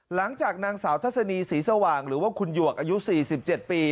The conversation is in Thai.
หลังจากนางสาวทัศนีศรีสว่างหรือว่าคุณหยวกอายุ๔๗ปี